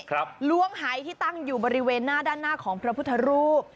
ล้วงหายที่ตั้งอยู่บริเวณหน้าด้านหน้าของพระพุทธรูป